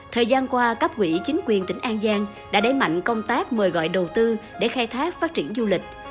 thời gian qua các quỹ chính quyền tỉnh an giang đã đẩy mạnh công tác mời gọi đầu tư để khai thác phát triển du lịch